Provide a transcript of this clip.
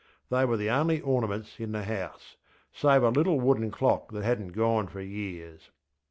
They were the only ornaments in the house, save a little wooden clock that hadnŌĆÖt gone for years.